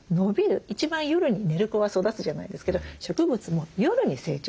一番夜に寝る子は育つじゃないですけど植物も夜に成長するんです。